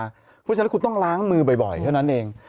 เพราะฉะนั้นคุณต้องล้างมือบ่อยเท่านั้นเอง